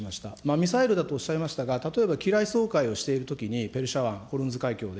ミサイルだとおっしゃいましたが、例えば機雷掃海をしているときに、ペルシャ湾、ホルムズ海峡で。